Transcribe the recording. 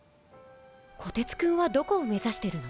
こてつくんはどこを目指してるの？